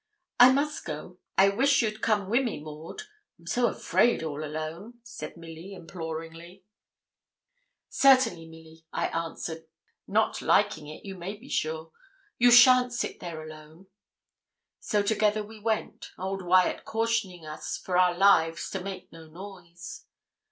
'I must go. I wish you'd come wi' me, Maud, I'm so afraid all alone,' said Milly, imploringly. 'Certainly, Milly,' I answered, not liking it, you may be sure; 'you shan't sit there alone.' So together we went, old Wyat cautioning us for our lives to make no noise.